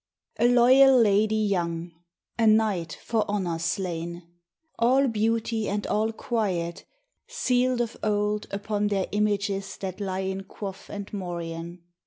A loyal lady young; a knight for honour slain: All beauty and all quiet sealed of old upon Their images that lie in coif and morion.